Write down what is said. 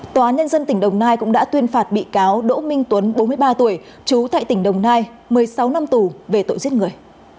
tòa nhân dân tỉnh đồng nai cũng đã tuyên phạt bị cáo đỗ minh tuấn bốn mươi ba tuổi trú tại tỉnh đồng nai một mươi sáu năm tù về tội giết người